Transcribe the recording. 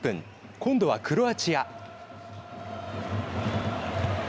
今度はクロアチア。